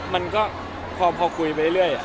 มันก็พอคุยไปเรื่อย